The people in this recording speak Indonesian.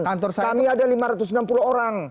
kantor kami ada lima ratus enam puluh orang